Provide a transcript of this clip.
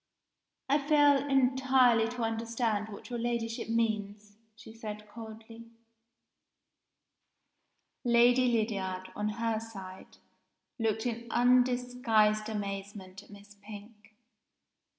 "I fail entirely to understand what your Ladyship means," she said coldly. Lady Lydiard, on her side, looked in undisguised amazement at Miss Pink.